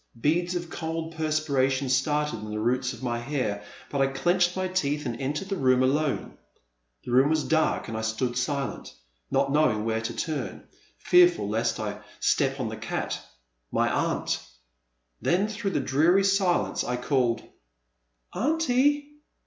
Beads of cold perspiration started in the roots of my hair, but I clenched my teeth and entered the room alone. The room was dark and I stood silent, not knowing where to turn, fearful lest I step on the cat, my aunt I Then through the dreary silence I called ;Aunty !